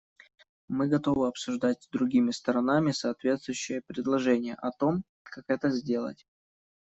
Мы готовы обсуждать с другими сторонами соответствующие предложения о том, как это сделать.